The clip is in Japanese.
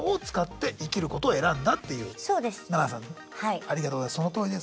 ありがとうございます。